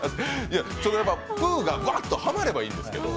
プーがわっとハマればいいんですけど。